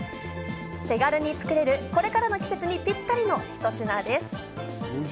手軽につくれる、これからの季節にぴったりの１品です。